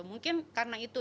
mungkin karena itu